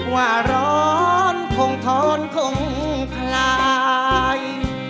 ว่าร้อนคงท้อนคงคลาย